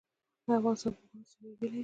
د افغانستان باغونه څه میوې لري؟